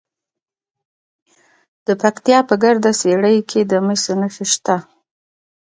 د پکتیا په ګرده څیړۍ کې د مسو نښې شته.